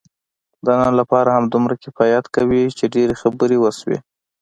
د نن لپاره همدومره کفایت کوي، چې ډېرې خبرې وشوې.